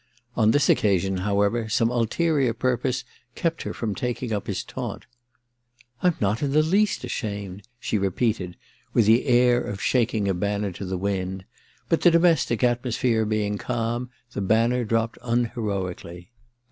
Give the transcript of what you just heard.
On this occasion, however, some ulterior purpose kept her from taking up lus taunt. ^ Tm not in the least ashamed !' she repeated, with the air of shaking a banner to the wind ; but the domestic atmosphere being calm, the banner drooped unheroically.